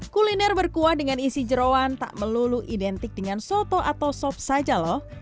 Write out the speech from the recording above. kuliner berkuah dengan isi jerawan tak melulu identik dengan soto atau sop saja loh